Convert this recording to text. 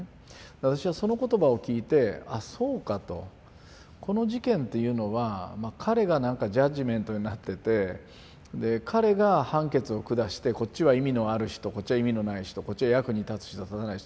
私はその言葉を聞いて「あっそうか」と。この事件っていうのは彼がなんかジャッジメントになってて彼が判決を下して「こっちは意味のある人こっちは意味のない人こっちは役に立つ人立たない人」。